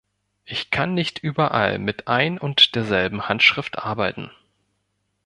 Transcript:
Ich kann nicht überall mit ein und derselben Handschrift arbeiten.